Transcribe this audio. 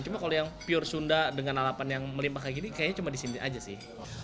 cuma kalau yang pure sunda dengan lalapan yang melimpah kayak gini kayaknya cuma di sini aja sih